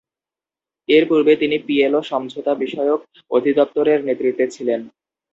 এর পূর্বে তিনি পিএলও সমঝোতা বিষয়ক অধিদপ্তরের নেতৃত্বে ছিলেন।